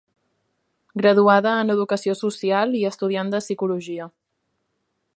Graduada en Educació Social i estudiant de Psicologia.